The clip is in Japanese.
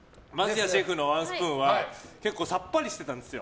桝谷シェフのワンスプーンは結構さっぱりしてたんですよ